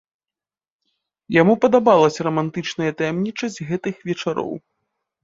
Яму падабалася рамантычная таямнічасць гэтых вечароў.